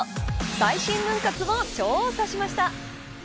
最新ヌン活を調査しました。